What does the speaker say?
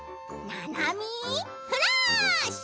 「ななみフラッシュ」！